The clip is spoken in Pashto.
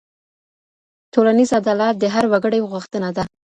ټولنيز عدالت د هر وګړي غوښتنه ده.